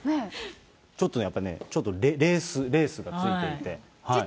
ちょっとね、やっぱりちょっとレースがついていて。